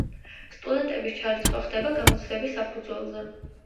სტუდენტების ჩარიცხვა ხდება გამოცდების საფუძველზე.